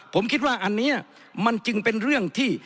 ผมคิดว่าอันนี้มันจึงเป็นเรื่องที่